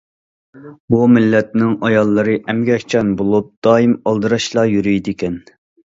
بۇ مىللەتنىڭ ئاياللىرى ئەمگەكچان بولۇپ، دائىم ئالدىراشلا يۈرىدىكەن.